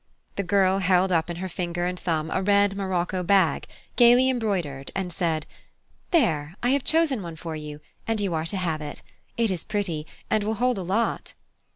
The girl held up in her finger and thumb a red morocco bag, gaily embroidered, and said, "There, I have chosen one for you, and you are to have it: it is pretty, and will hold a lot."